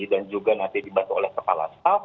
dan juga nanti dibantu oleh kepala staf